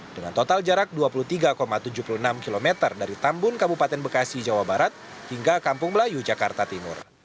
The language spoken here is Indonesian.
dengan total jarak dua puluh tiga tujuh puluh enam km dari tambun kabupaten bekasi jawa barat hingga kampung melayu jakarta timur